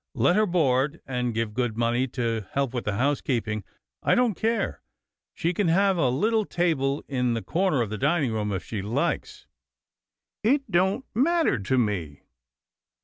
Let her board, and give good money to help with the housekeeping. I don't care. She can have a little table in the corner of the dining room if she likes. It don't matter to me."